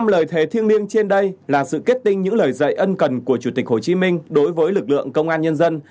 năm lời thề thiêng liêng trên đây là sự kết tinh những lời dạy ân cần của chủ tịch hồ chí minh đối với lực lượng công an nhân dân